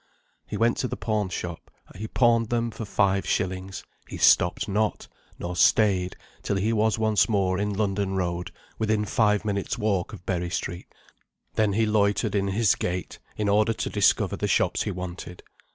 He went to the pawn shop; he pawned them for five shillings; he stopped not, nor stayed, till he was once more in London Road, within five minutes' walk of Berry Street then he loitered in his gait, in order to discover the shops he wanted.